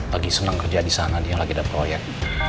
lagi seneng kerja disana dia lagi ada proyek